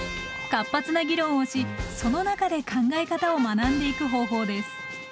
活発な議論をしその中で考え方を学んでいく方法です。